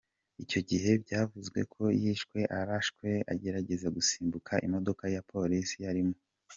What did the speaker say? Icyo gihe byavuzwe ko yishwe arashwe agerageza gusimbuka imodoka ya polisi yarimo.